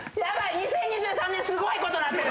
２０２３年すごいことなってる。